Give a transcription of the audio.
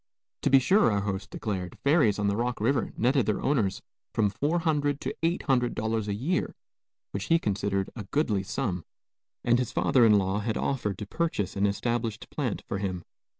To be sure, our host declared, ferries on the Rock River netted their owners from $400 to $800 a year, which he considered a goodly sum, and his father in law had offered to purchase an established plant for him.